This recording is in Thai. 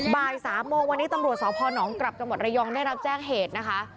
บ่าย๓โมงวันนี้ตำรวจสพนกลับจังหวัดระยองได้รับแจ้งเหตุนะคะ